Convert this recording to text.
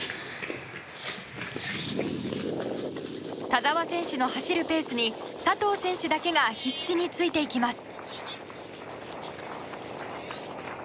田澤選手の走るペースに佐藤選手だけが必死についていきます。